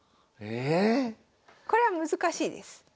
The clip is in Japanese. これは難しいです。